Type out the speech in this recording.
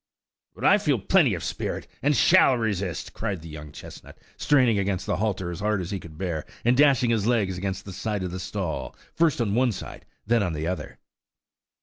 "But I feel plenty of spirit, and shall resist," cried the young chestnut, straining against the halter as hard as he could bear, and dashing his legs against the sides of the stall, first on one side, then on the other.